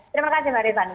terima kasih mbak rivani